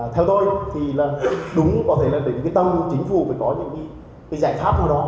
theo tôi thì là đúng có thể là bởi những cái tâm chính phủ phải có những cái giải pháp nào đó